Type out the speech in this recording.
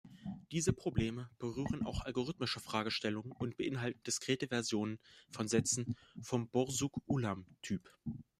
Diese Probleme berühren auch algorithmische Fragestellungen und beinhalten diskrete Versionen von Sätzen vom Borsuk-Ulam-Typ.